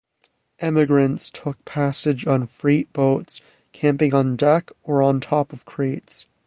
Emigrants took passage on freight boats, camping on deck, or on top of crates.